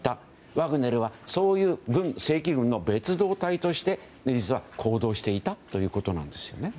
ワグネルはそういう正規軍の別動隊として実は行動していたということなんですよね。